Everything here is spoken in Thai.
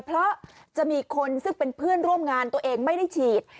เพราะจะมีคนซึ่งเป็นเพื่อนร่วมงานตัวเองไม่ได้ฉีด